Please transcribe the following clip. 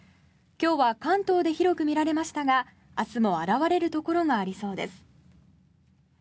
今日は関東で広く見られましたが明日も現れるところがありそうです。